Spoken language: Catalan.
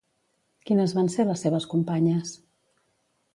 Quines van ser les seves companyes?